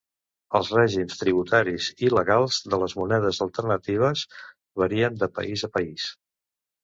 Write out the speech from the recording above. Els règims tributaris i legals de les monedes alternatives varien de país a país.